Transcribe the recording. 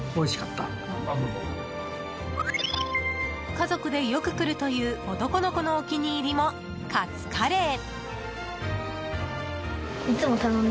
家族でよく来るという男の子のお気に入りもカツカレー。